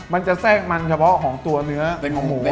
มันจะแทรกมันเฉพาะของตัวเนื้อของหมู